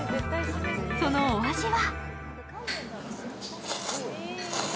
そのお味は？